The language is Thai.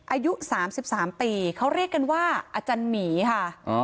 อายุสามสิบสามปีเขาเรียกกันว่าอาจารย์หมีค่ะอ๋อ